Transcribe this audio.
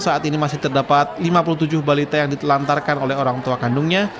saat ini masih terdapat lima puluh tujuh balita yang ditelantarkan oleh orang tua kandungnya